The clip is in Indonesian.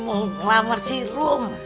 mau ngelamar si rum